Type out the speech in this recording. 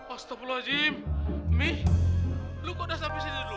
astagfirullahaladzim mi lu kode sampai sini dulu